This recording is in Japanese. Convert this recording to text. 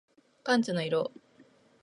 パンツの色